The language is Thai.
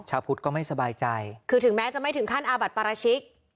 พุทธก็ไม่สบายใจคือถึงแม้จะไม่ถึงขั้นอาบัติปราชิก